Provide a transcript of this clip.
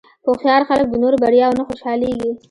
هوښیار خلک د نورو بریاوو نه خوشحالېږي.